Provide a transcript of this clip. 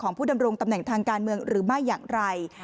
ผู้ดำรงตำแหน่งทางการเมืองหรือไม่อย่างไร